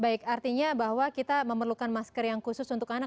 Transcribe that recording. baik artinya bahwa kita memerlukan masker yang khusus untuk anak